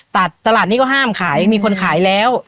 ตลาดนี้ก็ห้ามขายมีคนขายแล้ว